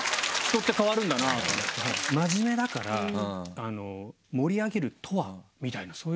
真面目だから「盛り上げるとは？」みたいなそういうことに。